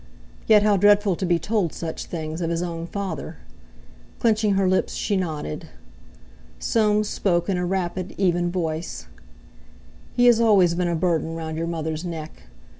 Yet, how dreadful to be told such things of his own father! Clenching her lips, she nodded. Soames spoke in a rapid, even voice: "He has always been a burden round your mother's neck.